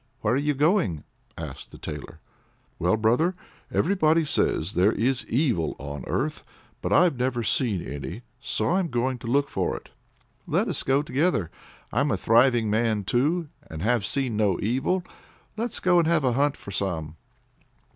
"Where are you going?" asks the Tailor. "Well, brother, everybody says there is evil on earth. But I've never seen any, so I'm going to look for it." "Let's go together. I'm a thriving man, too, and have seen no evil; let's go and have a hunt for some."